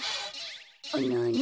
なに？